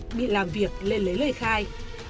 ông quang bắt đầu làm việc lên lấy lời khai